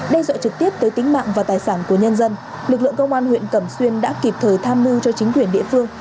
đe dọa trực tiếp tới tính mạng và tài sản của nhân dân lực lượng công an huyện cẩm xuyên đã kịp thời tham mưu cho chính quyền địa phương